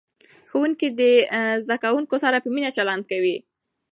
ښوونکي د زده کوونکو سره په مینه چلند کوي.